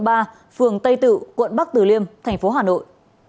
phường tây tự quận bắc tử liêm thành phố hà nội